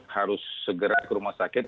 harus segera ke rumah sakit